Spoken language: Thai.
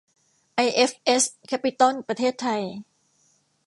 ไอเอฟเอส แคปปิตอล ประเทศไทย